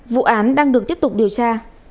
vụ án đang được tiếp tục điều tra